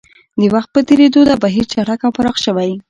د وخت په تېرېدو دا بهیر چټک او پراخ شوی.